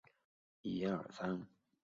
卡坦扎罗。